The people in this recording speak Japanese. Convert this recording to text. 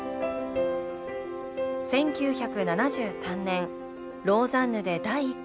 １９７３年ローザンヌで第１回を開催。